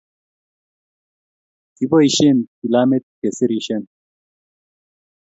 kiboisien kilamit ke serisien